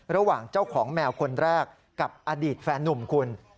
ระหว่างเจ้าของแมวคนแรกกับอดีตแฟนนุ่มคุณ